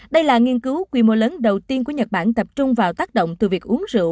đây là nghiên cứu quy mô lớn đầu tiên của nhật bản tập trung vào tác động từ việc uống rượu